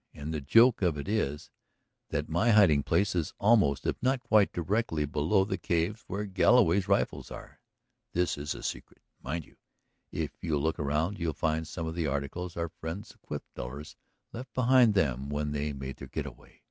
"And the joke of it is that my hiding place is almost if not quite directly below the caves where Galloway's rifles are. This is a secret, mind you! ... If you'll look around, you'll find some of the articles our friends the cliff dwellers left behind them when they made their getaway."